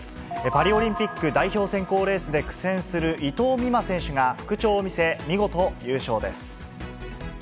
パリオリンピック代表選考レースで苦戦する伊藤美誠選手が復調を見せ、見事、優勝です。